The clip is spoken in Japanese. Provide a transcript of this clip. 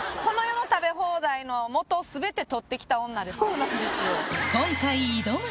そうなんですよ。